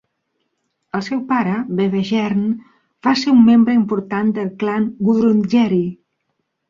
El seu pare, Bebejern, va ser un membre important del clan Wurundjeri.